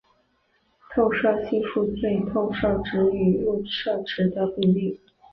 透射系数是透射值与入射值的比率。